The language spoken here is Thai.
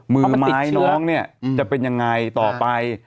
มือไม้น้องเนี่ยจะเป็นยังไงต่อไป